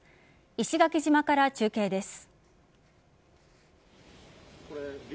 石垣島から中継です。